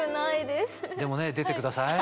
でもね出てください。